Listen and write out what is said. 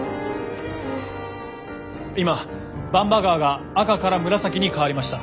今番場川が赤から紫に変わりました。